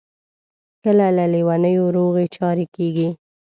کله له لېونیو روغې چارې کیږي.